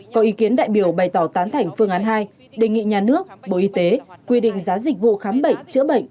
có ý kiến đại biểu bày tỏ tán thành phương án hai đề nghị nhà nước bộ y tế quy định giá dịch vụ khám bệnh chữa bệnh